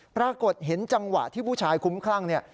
ปรากฏเห็นจังหวะที่ผู้ชายคุ้มคลั่งเนี่ย